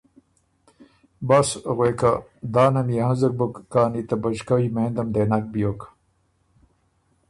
بس غوېکه ”دانه ميې هنزُک بُک کانی ته بچکؤ یمېندم دې نک بیوک“